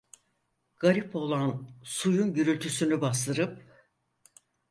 Garip oğlan suyun gürültüsünü bastırıp: